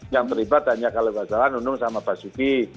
yang terlibat hanya kalau tidak salah nunung sama basuki